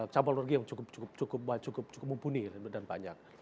jaringan campur energi yang cukup mumpuni dan banyak